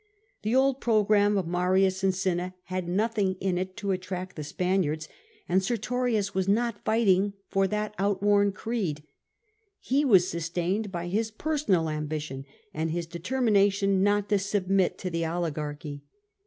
The old programme of Marius and Cinna had nothing in it to attract the Spaniards, and Sertorius was not fighting for that outworn creed ; he was sustained by his personal ambition and his determination not to submit to the oligarchy.